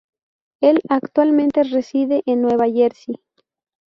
Él actualmente reside en Nueva Jersey.